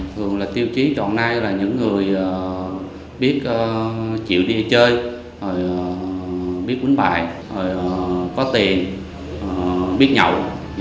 thường là tiêu chí trọn nay là những người biết chịu đi chơi biết quýnh bài có tiền biết nhậu